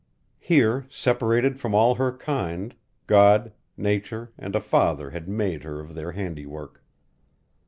Here, separated from all her kind, God, Nature, and a father had made her of their handiwork.